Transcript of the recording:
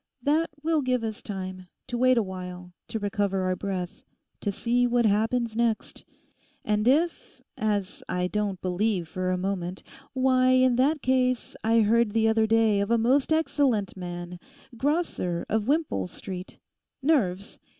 That will give us time; to wait a while, to recover our breath, to see what happens next. And if—as I don't believe for a moment—Why, in that case I heard the other day of a most excellent man—Grosser, of Wimpole Street; nerves.